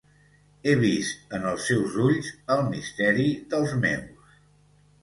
He vist en els seus ulls el misteri dels meus.